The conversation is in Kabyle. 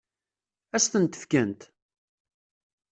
Ad s-tent-fkent?